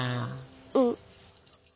うん。